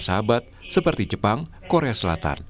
sahabat seperti jepang korea selatan